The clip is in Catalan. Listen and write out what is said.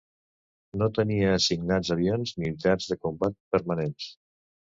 No tenia assignats avions ni unitats de combat permanents.